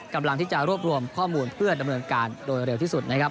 กำลังที่จะรวบรวมข้อมูลเพื่อดำเนินการโดยเร็วที่สุดนะครับ